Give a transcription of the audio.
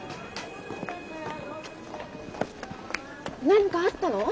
何かあったの？